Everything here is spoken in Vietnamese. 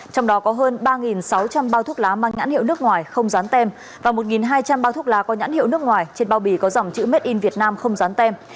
trong đó có hơn ba sáu trăm linh bao thuốc lá mang nhãn hiệu nước ngoài không dán tem và một hai trăm linh bao thuốc lá có nhãn hiệu nước ngoài trên bao bì có dòng chữ made in vietnam không dán tem